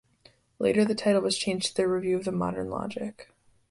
Later the title was changed to "The Review of Modern Logic".